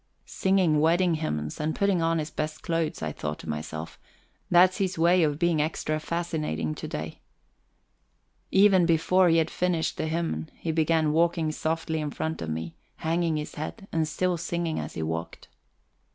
Singing wedding hymns, and putting on his best clothes, I thought to myself that's his way of being extra fascinating to day. Even before he had finished the hymn he began walking softly in front of me, hanging his head, and still singing as he walked.